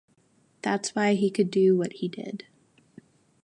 That's why he could do what he did.